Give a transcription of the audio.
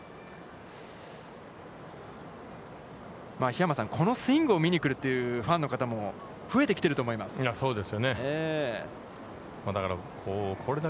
桧山さん、このスイングを見に来るというファンの方も増えてきていると思います。